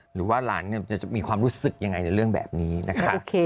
หรือว่าหลานจะมีความรู้สึกยังไงในเรื่องแบบนี้นะคะ